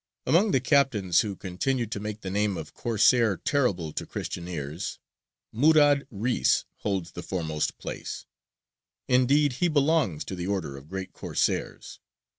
Among the captains who continued to make the name of Corsair terrible to Christian ears, Murād Reïs holds the foremost place; indeed, he belongs to the order of great Corsairs.